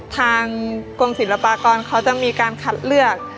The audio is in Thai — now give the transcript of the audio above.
ทางกรมศิลปากรเขาจะมีการคัดเลือก